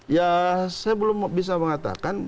ya saya belum bisa mengatakan